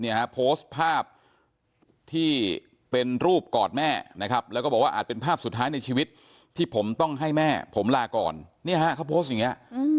โพสต์ภาพที่เป็นรูปกอดแม่นะครับแล้วก็บอกว่าอาจเป็นภาพสุดท้ายในชีวิตที่ผมต้องให้แม่ผมลาก่อนเนี่ยฮะเขาโพสต์อย่างเงี้ย